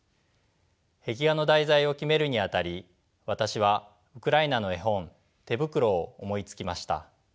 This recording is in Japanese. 壁画の題材を決めるにあたり私はウクライナの絵本「てぶくろ」を思いつきました。